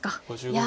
いや。